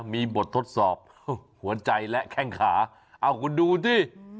มีบททดสอบหัวใจและแข้งขาเอาคุณดูสิ